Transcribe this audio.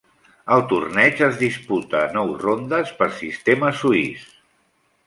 El torneig es disputa a nou rondes per sistema suís.